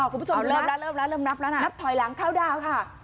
คุณผู้ชมเริ่มแล้วเริ่มแล้วเริ่มนับแล้วนะนับถอยหลังเข้าดาวค่ะ